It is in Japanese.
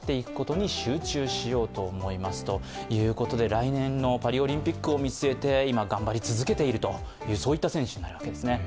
来年のパリオリンピックを見据えて、今、頑張り続けているといった選手になるわけですね。